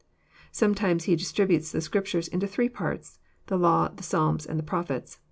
Sometimes He distributes the Scriptures Into three parts : the law, the psalms, and the prophets.